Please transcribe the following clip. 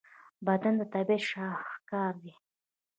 بدن د طبیعت شاهکار دی.